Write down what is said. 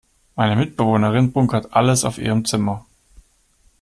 Meine Mitbewohnerin bunkert alles auf ihrem Zimmer.